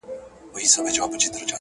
د انتظار خبري ډيري ښې دي;